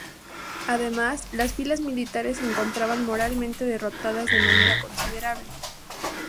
Además, las filas militares se encontraban moralmente derrotadas de manera considerable.